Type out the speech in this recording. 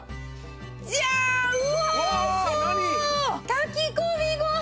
炊き込みご飯！